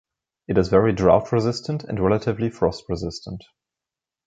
It is very drought resistant and relatively frost resistant.